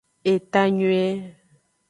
Etanyuie.